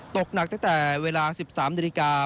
ตกหนักตั้งแต่เวลา๑๓นาฬิกา